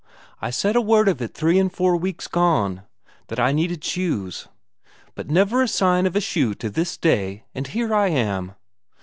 I said a word of it three and four weeks gone, that I needed shoes, but never sign of a shoe to this day, and here I am."